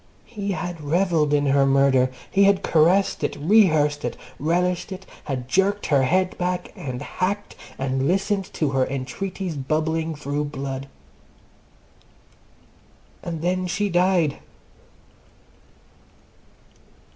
He had revelled in her murder. He had caressed it, rehearsed it, relished it, had jerked her head back, and hacked, and listened to her entreaties bubbling through blood! And then she died!